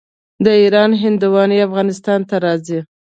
د ایران هندواڼې افغانستان ته راځي.